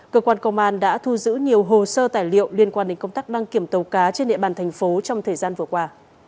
cơ quan công an đã thu giữ nhiều hồ sơ tài liệu liên quan đến công tác đăng kiểm tàu cá trên địa bàn thành phố trong thời gian vừa qua